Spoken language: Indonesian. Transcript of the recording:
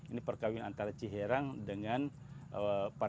ini perkawinan antara ciherang dengan paritas impari tiga puluh